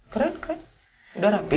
keren keren udah rapi